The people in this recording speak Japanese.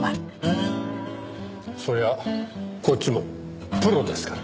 そりゃあこっちもプロですから。